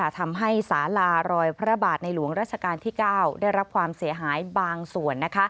ทำให้สาลารอยพระบาทในหลวงราชการที่๙ได้รับความเสียหายบางส่วน